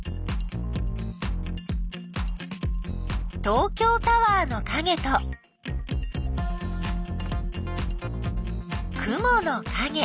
東京タワーのかげと雲のかげ。